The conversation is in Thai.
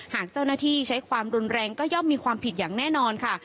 หากเจ้าหน้าที่ใช้ความรุนแรงก็ย่อมมีความผิดอย่างแน่นอนค่ะ